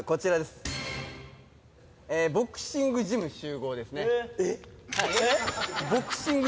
ボクシングジムに集合です。